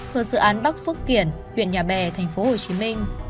thuộc dự án bắc phước kiển huyện nhà bè tp hcm